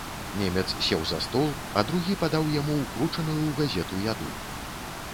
Немец сеў за стол, а другі падаў яму ўкручаную ў газету яду.